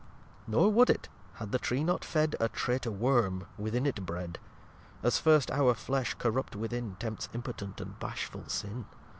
lxx Nor would it, had the Tree not fed A Traitor worm, within it bred. (As first our Flesh corrupt within Tempts impotent and bashful Sin.)